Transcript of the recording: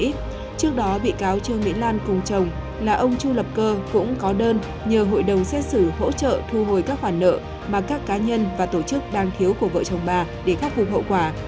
trước đó bị cáo trương mỹ lan cùng chồng là ông chu lập cơ cũng có đơn nhờ hội đồng xét xử hỗ trợ thu hồi các khoản nợ mà các cá nhân và tổ chức đang thiếu của vợ chồng bà để khắc phục hậu quả